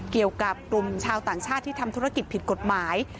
เกี่ยวกับกลุ่มชาวต่างชาติที่ทำธุรกิจผิดกฎหมาย